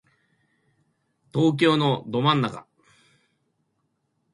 東京のど真ん中